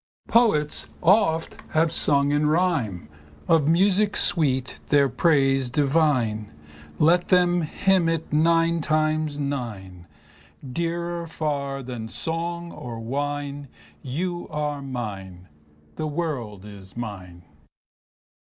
Poets oft have sung in rhyme Of music sweet their praise divine. Let them hymn it nine times nine. Dearer far than song or wine. You are mine. The world is mine.